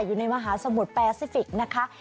อยู่ในมหาสมุทรแปซิฟิกนะคะ